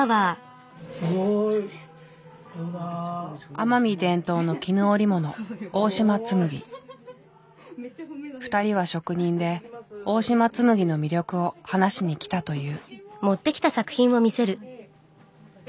奄美伝統の絹織物２人は職人で大島紬の魅力を話しにきたという。